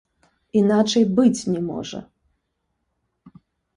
Іначай быць не можа!